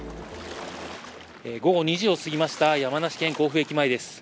午後２時をすぎました山梨県甲府駅前です。